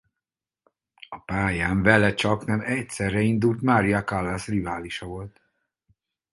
A pályán vele csaknem egyszerre indult Maria Callas riválisa volt.